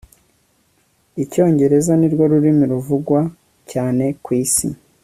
icyongereza ni rwo rurimi ruvugwa cyane ku isi